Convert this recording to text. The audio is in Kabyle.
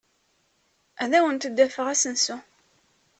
Ad awent-d-afeɣ asensu.